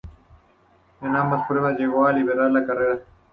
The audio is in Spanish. En ambas pruebas llegó a liderar la carrera.